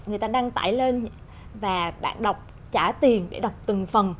người ta đăng tải lên và bạn đọc trả tiền để đọc từng phần